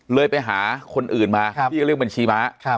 เลยไปหาคนอื่นมาพี่ก็เรียกบัญชีม้า